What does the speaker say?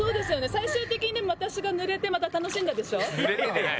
最終的に私がぬれてまた楽しんだでしょ？